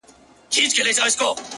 که ژوند راکوې؛